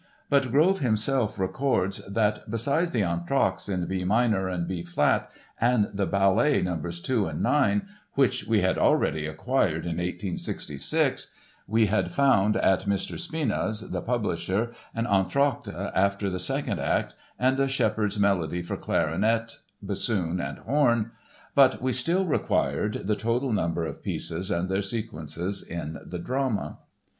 But Grove himself records that "besides the entr'actes in B minor and B flat and the ballet numbers 2 and 9, which we had already acquired in 1866, we had found at Mr. Spina's (the publisher) an entr'acte after the second act and a Shepherd's Melody for clarinets, bassoons and horns.... But we still required the total number of pieces and their sequence in the drama...."